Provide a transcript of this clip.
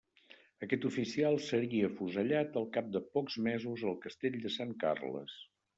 Aquest oficial seria afusellat al cap de pocs mesos al Castell de Sant Carles.